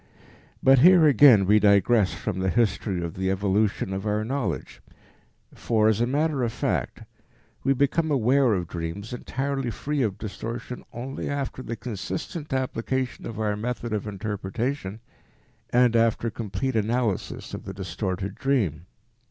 But here again we digress from the history of the evolution of our knowledge, for as a matter of fact we become aware of dreams entirely free of distortion only after the consistent application of our method of interpretation and after complete analysis of the distorted dream.